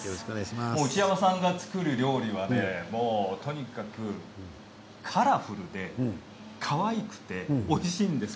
内山さんが作る料理はとにかくカラフルでかわいくて、おいしいんです。